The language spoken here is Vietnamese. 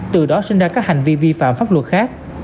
từ đó sinh ra các hành vi vi phạm pháp luật khác